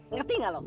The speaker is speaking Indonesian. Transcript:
ngerti gak lu